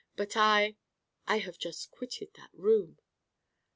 But I _I have just Quitted that Room!